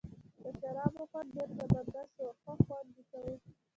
د شرابو خوند ډېر زبردست وو او ښه خوند یې کاوه.